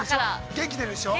◆元気が出るでしょう。